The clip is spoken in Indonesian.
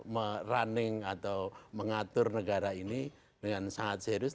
merunning atau mengatur negara ini dengan sangat serius